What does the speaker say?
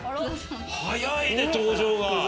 早いね登場が。